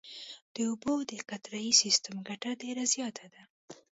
د اوبو د قطرهیي سیستم ګټه ډېره زیاته ده.